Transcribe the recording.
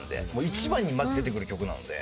一番にまず出てくる曲なので。